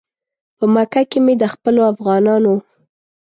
په مکه کې مې د خپلو افغانانو.